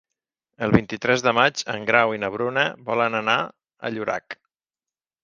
El vint-i-tres de maig en Grau i na Bruna volen anar a Llorac.